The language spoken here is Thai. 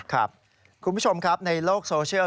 คุณผู้ชมครับในโลกโซเชียล